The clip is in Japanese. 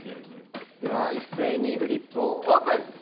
では一斉にフリップをオープン。